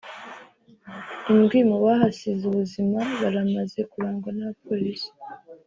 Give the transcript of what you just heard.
Indwi mu bahasize ubuzima baramaze kurangwa n'abapolisi